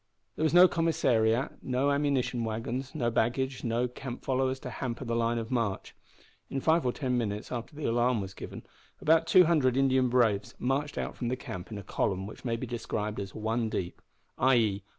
There was no commissariat, no ammunition wagons, no baggage, no camp followers to hamper the line of march. In five or ten minutes after the alarm was given about two hundred Indian braves marched out from the camp in a column which may be described as one deep i.e.